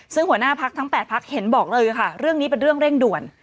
ซึ่งหัวหน้าพักทั้ง๘พักเห็นบอกเลยค่ะเรื่องนี้เป็นเรื่องเร่งด่วน